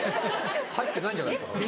入ってないんじゃないですか？